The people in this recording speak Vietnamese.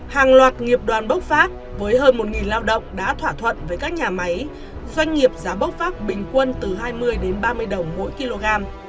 hàng loạt nghiệp đoàn bốc phát với hơn một lao động đã thỏa thuận với các nhà máy doanh nghiệp giá bốc phát bình quân từ hai mươi đến ba mươi đồng mỗi kg